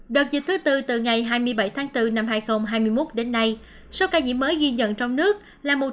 đợt dịch thứ tư từ ngày hai mươi bảy tháng bốn năm hai nghìn hai mươi một đến nay số ca nhiễm mới ghi nhận trong nước là một bảy trăm linh chín bốn mươi hai ca